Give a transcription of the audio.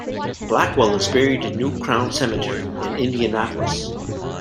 Blackwell is buried in New Crown Cemetery, in Indianapolis.